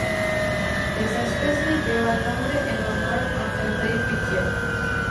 Esta especie lleva el nombre en honor a Henri Pittier.